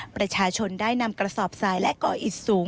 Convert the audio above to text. ประชาชนได้นำกระสอบทรายและก่ออิดสูง